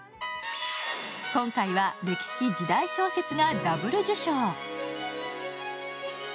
今回は、歴史・時代小説がダブル受賞。